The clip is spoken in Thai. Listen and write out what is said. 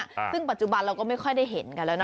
ซึ่งปัจจุบันเราก็ไม่ค่อยได้เห็นกันแล้วนะ